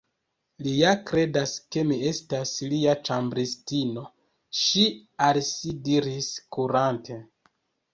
"Li ja kredas ke mi estas lia ĉambristino," ŝi al si diris, kurante.